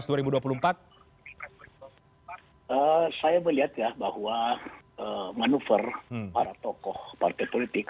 saya melihat ya bahwa manuver para tokoh partai politik